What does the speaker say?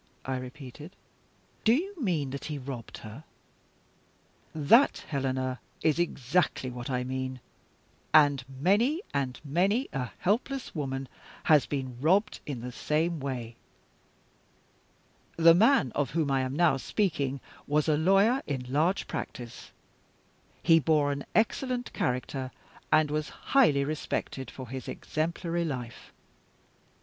I repeated. "Do you mean that he robbed her?" "That, Helena, is exactly what I mean and many and many a helpless woman has been robbed in the same way. The man of whom I am now speaking was a lawyer in large practice. He bore an excellent character, and was highly respected for his exemplary life.